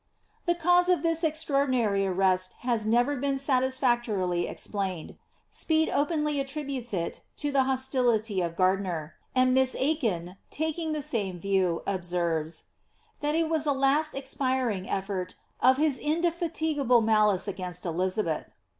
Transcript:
^ The cause of this extraordinary arrest has never been satisfactorily explained. Speed openly attributes it to tlie hostility of Gardiner ; and Miss Aikin, taking the same view, observes, that it was a last expiring effort of his indefatigable malice against Eli abeth."